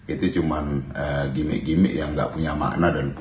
itu cuma gimmick gimmick yang gak punya makna dan punya